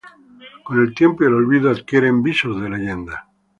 Con el tiempo y el olvido adquieren visos de leyenda.